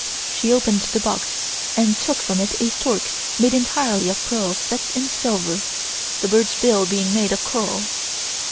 She opened the box and took from it a stork made entirely of pearls set in silver, the bird's bill being made of coral.